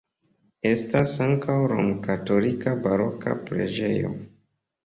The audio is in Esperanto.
Estas ankaŭ romkatolika baroka preĝejo.